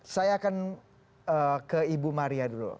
saya akan ke ibu maria dulu